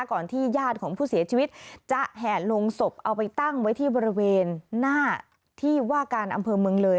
ที่ญาติของผู้เสียชีวิตจะแห่ลงศพเอาไปตั้งไว้ที่บริเวณหน้าที่ว่าการอำเภอเมืองเลย